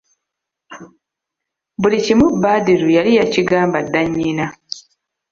Buli kimu Badru yali yakigamba dda nnyina.